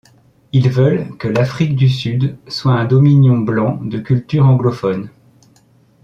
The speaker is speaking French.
Ils veulent que l'Afrique du Sud soient un dominion blanc de culture anglophone.